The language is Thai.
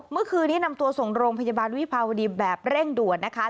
เมื่อคืนนี้นำตัวส่งโรงพยาบาลวิภาวดีแบบเร่งด่วนนะคะ